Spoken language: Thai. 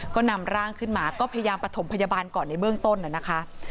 ก็นำร่างขึ้นมาก็พยายามประถมพยาบาลก่อนในเบื้องต้นนะคะ